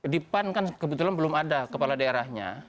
di pan kan kebetulan belum ada kepala daerahnya